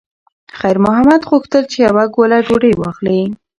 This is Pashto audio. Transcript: خیر محمد غوښتل چې یوه ګوله ډوډۍ واخلي.